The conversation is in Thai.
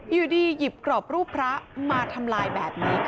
อยู่ดีหยิบกรอบรูปพระมาทำลายแบบนี้